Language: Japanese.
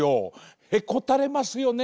へこたれますよね